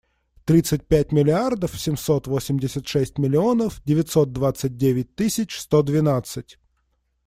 Тридцать пять миллиардов семьсот восемьдесят шесть миллионов девятьсот двадцать девять тысяч сто двенадцать.